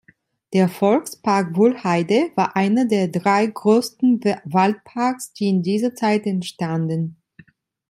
Der Volkspark Wuhlheide war einer der drei größten Waldparks, die in dieser Zeit entstanden.